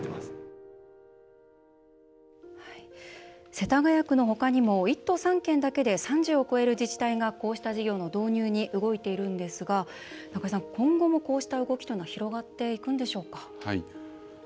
世田谷区の他にも１都３県だけで３０を超える自治体が、こうした事業の導入に動いているんですが今後も、こうした動きというのは広がっていくんでしょうか？